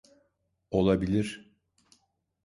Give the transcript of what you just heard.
Olabilir.